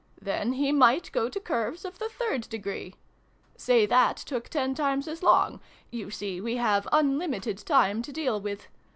Then he might go to curves of the third degree. Say that took ten times as long (you see we have unlimited time to deal with).